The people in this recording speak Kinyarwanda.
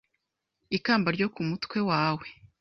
ikamba ryo ku mutwe wawe